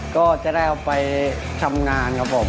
ก็จะได้เอาไปทำงานครับผม